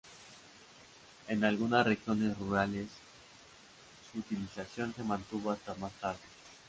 En algunas regiones rurales, su utilización se mantuvo hasta más tarde.